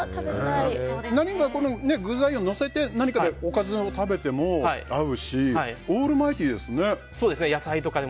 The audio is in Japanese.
具材をのせて何かでおかずを食べてもおいしいしオールマイティーですね。